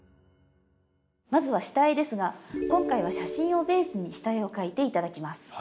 まずは下絵ですが今回は写真をベースに下絵を描いて頂きます。